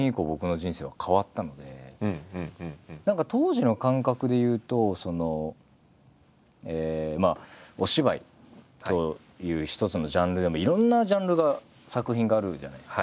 何か当時の感覚でいうとお芝居という一つのジャンルでもいろんなジャンルが作品があるじゃないですか。